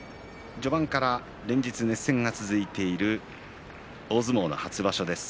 序盤から連日、熱戦が続いている大相撲初場所です。